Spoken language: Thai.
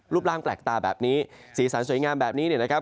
ร่างแปลกตาแบบนี้สีสันสวยงามแบบนี้เนี่ยนะครับ